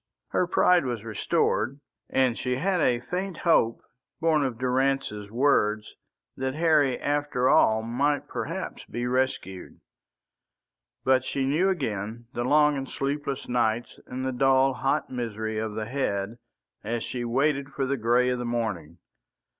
Her pride was restored, and she had a faint hope born of Durrance's words that Harry after all might perhaps be rescued. But she knew again the long and sleepless nights and the dull hot misery of the head as she waited for the grey of the morning.